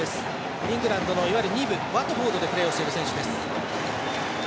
イングランドの２部ワトフォードでプレーしている選手です。